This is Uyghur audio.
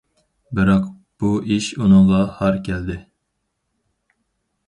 بىراق، بۇ ئىش ئۇنىڭغا ھار كەلدى.